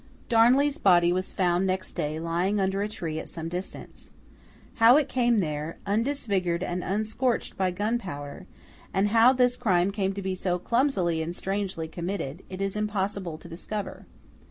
Darnley's body was found next day lying under a tree at some distance. How it came there, undisfigured and unscorched by gunpowder, and how this crime came to be so clumsily and strangely committed, it is impossible to discover.